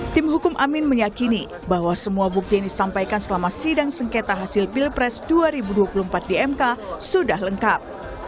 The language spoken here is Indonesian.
tim hukum amin meyakini bahwa semua bukti yang disampaikan selama sidang sengketa hasil pilpres dua ribu dua puluh empat di mk sudah lengkap